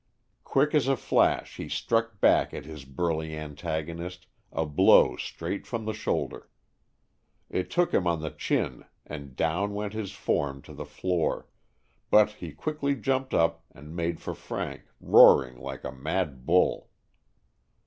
Quick as a flash he struck back at his burly antagonist a blow straight from the shoulder. It took him on the chin and down went his form to the floor, but he quickly jumped up and made for Frank, roaring like a mad bull.